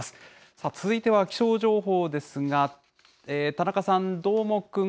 さあ、続いては気象情報ですが、田中さん、どーもくん。